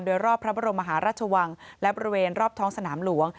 โดยรอบพระบรมมหาราชวังและบริเวณรอบท้องสนามหลวง